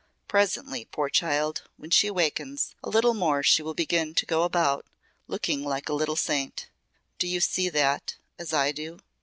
Presently, poor child, when she awakens a little more she will begin to go about looking like a little saint. Do you see that as I do?"